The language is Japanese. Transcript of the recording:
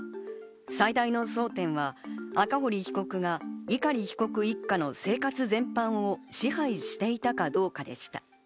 最大の争点は赤堀被告が碇被告一家の生活全般を支配していたかどうかでした。